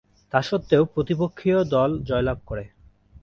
তাসত্ত্বেও প্রতিপক্ষীয় দল জয়লাভ করে।